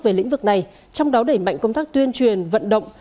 về lĩnh vực này trong đó đẩy mạnh công tác tuyên truyền vận động